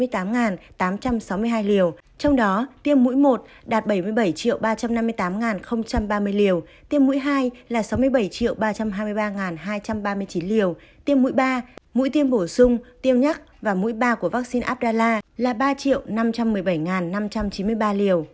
trong đó liều trong đó tiêm mũi một đạt bảy mươi bảy ba trăm năm mươi tám ba mươi liều tiêm mũi hai là sáu mươi bảy ba trăm hai mươi ba hai trăm ba mươi chín liều tiêm mũi ba mũi tiêm bổ sung tiêu nhắc và mũi ba của vaccine apdallah là ba năm trăm một mươi bảy năm trăm chín mươi ba liều